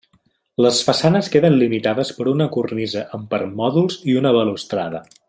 Les façanes queden limitades per una cornisa amb permòdols i una balustrada.